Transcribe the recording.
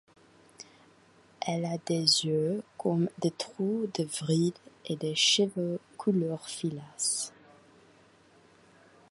Elle a des yeux comme des trous de vrille et des cheveux couleur filasse.